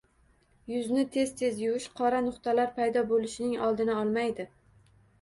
Yuzni tez-tez yuvish qora nuqtalar paydo bo‘lishining oldini olmaydi